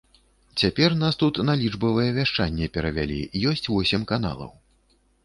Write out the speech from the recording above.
Цяпер нас тут на лічбавае вяшчанне перавялі, ёсць восем каналаў.